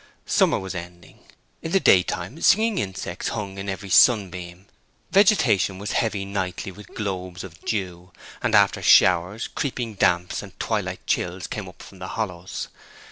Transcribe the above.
Summer was ending: in the daytime singing insects hung in every sunbeam; vegetation was heavy nightly with globes of dew; and after showers creeping damps and twilight chills came up from the hollows.